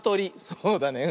そうだね。